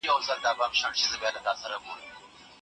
تعلیمي پلیټفارمونه د ویب له لارې زده کړه ټولو ته رسوي اسانه.